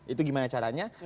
itu gimana caranya